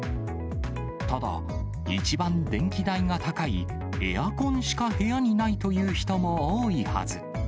ただ、一番電気代が高い、エアコンしか部屋にないという人も多いはず。